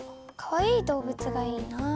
かわいい動物がいいな。